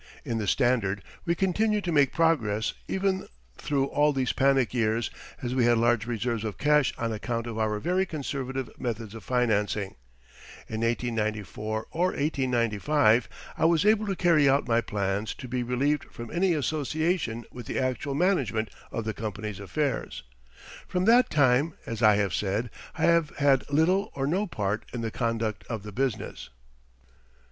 In the Standard we continued to make progress even through all these panic years, as we had large reserves of cash on account of our very conservative methods of financing. In 1894 or 1895 I was able to carry out my plans to be relieved from any association with the actual management of the company's affairs. From that time, as I have said, I have had little or no part in the conduct of the business.